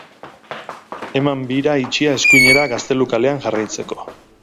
Eman bira itxia eskuinera Gaztelu kalean jarraitzeko